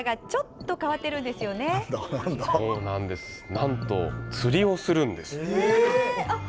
なんと釣りをするんです。